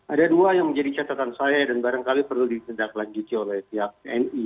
ada dua yang menjadi catatan saya dan barangkali perlu disedaklanjuti oleh pihak tni